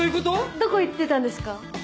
どこ行ってたんですか？